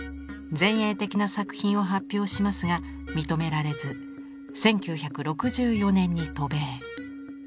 前衛的な作品を発表しますが認められず１９６４年に渡米。